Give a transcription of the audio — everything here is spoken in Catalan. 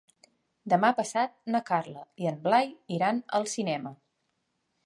Demà passat na Carla i en Blai iran al cinema.